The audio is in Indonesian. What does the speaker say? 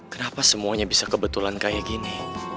kenapa semuanya bisa kebetulan kayak gini